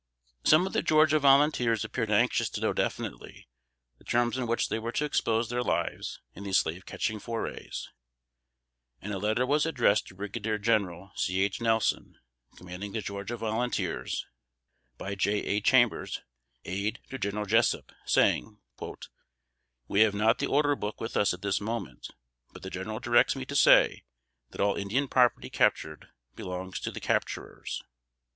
Some of the Georgia volunteers appeared anxious to know definitely the terms on which they were to expose their lives in these slave catching forays; and a letter was addressed to Brigadier General C. H. Nelson, commanding the Georgia volunteers, by J. A. Chambers, aid to General Jessup, saying, "We have not the order book with us at this moment; but the General directs me to say, that all Indian property captured belongs to the capturers."